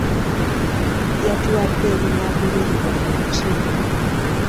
Yatuwadde ebinaagobererwa mu lukiiko.